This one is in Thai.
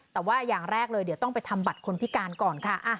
แต่ว่าอย่างแรกเลยเดี๋ยวต้องไปทำบัตรคนพิการก่อนค่ะ